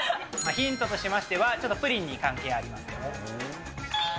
ヒントとしましては、ちょっとプリンに関係あります。